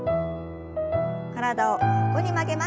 体を横に曲げます。